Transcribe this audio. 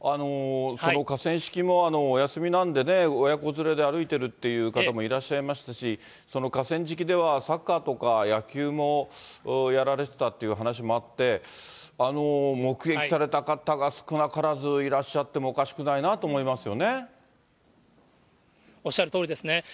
その河川敷も、お休みなんでね、親子連れで歩いてるという方もいらっしゃいましたし、その河川敷ではサッカーとか野球もやられてたという話もあって、目撃された方が少なからずいらっしゃっても、おかしくないなと思おっしゃるとおりですね。